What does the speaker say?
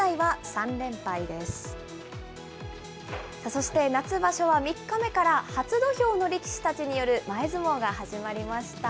そして夏場所は３日目から初土俵の力士たちによる前相撲が始まりました。